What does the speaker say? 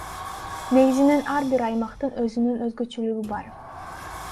Негизинен ар бир аймактын өзүнүн өзгөчөлүгү бар.